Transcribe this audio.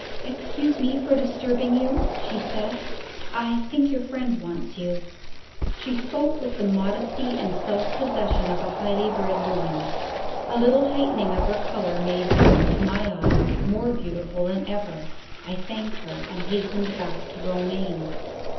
"Excuse me for disturbing you," she said; "I think your friend wants you." She spoke with the modesty and self possession of a highly bred woman. A little heightening of her color made her, to my eyes, more beautiful than ever. I thanked her, and hastened back to Romayne.